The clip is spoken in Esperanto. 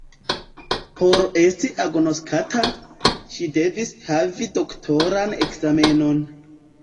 Por esti agnoskata, ŝi devis havi doktoran ekzamenon.